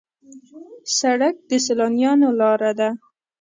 سړک د سیلانیانو لاره ده.